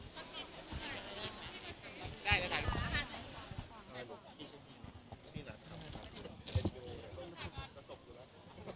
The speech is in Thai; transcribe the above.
สวัสดีครับ